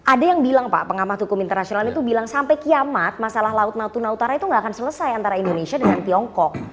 ada yang bilang pak pengamat hukum internasional itu bilang sampai kiamat masalah laut natuna utara itu nggak akan selesai antara indonesia dengan tiongkok